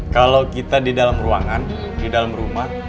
kalau kita di dalam ruangan di dalam rumah